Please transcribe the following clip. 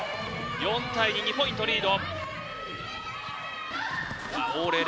４対２、２ポイントリード。